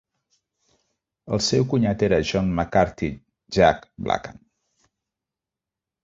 El seu cunyat era John McCarthy "Jack" Blackham.